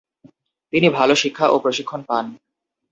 তিনি ভাল শিক্ষা ও প্রশিক্ষণ পান।